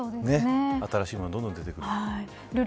新しいものがどんどん出てくる。